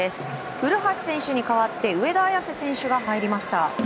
古橋選手に代わって上田綺世選手が入りました。